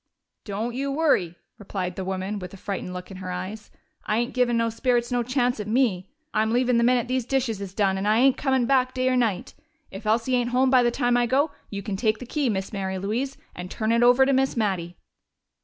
"Don't you worry!" returned the woman, with a frightened look in her eyes. "I ain't givin' no spirits no chance at me! I'm leavin' the minute these dishes is done, and I ain't comin' back day or night. If Elsie ain't home by the time I go, you can take the key, Miss Mary Louise, and turn it over to Miss Mattie."